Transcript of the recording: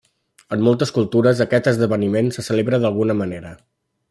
En moltes cultures, aquest esdeveniment se celebra d'alguna manera.